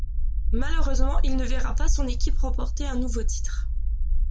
Malheureusement, il ne verra pas son équipe remporter un nouveau titre.